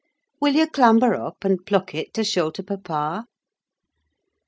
Will you clamber up, and pluck it to show to papa?"